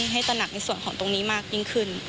ตระหนักในส่วนของตรงนี้มากยิ่งขึ้น